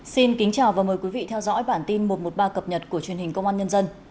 xin kính chào và mời quý vị theo dõi bản tin một trăm một mươi ba cập nhật của truyền hình công an nhân dân